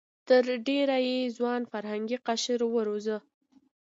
تر ډېره یې ځوان فرهنګي قشر وروزه.